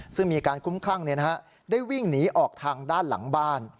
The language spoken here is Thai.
ซึ่งมีการคุ้มคลั่งได้วิ่งหนีออกทางด้านหลังบ้าน